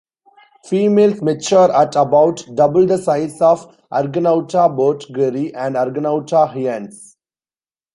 Females mature at about double the size of "Argonauta bottgeri" and "Argonauta hians".